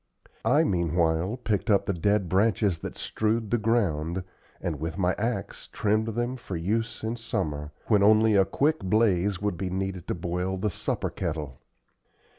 I meanwhile picked up the dead branches that strewed the ground, and with my axe trimmed them for use in summer, when only a quick blaze would be needed to boil the supper kettle.